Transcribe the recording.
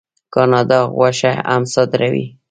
کاناډا غوښه هم صادروي.